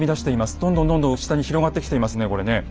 どんどんどんどん下に広がってきていますねこれね。